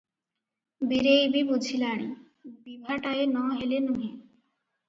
ବୀରେଇବି ବୁଝିଲାଣି, ବିଭାଟାଏ ନ ହେଲେ ନୁହେଁ ।